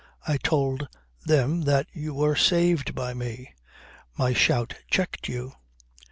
I told them that you were saved by me. My shout checked you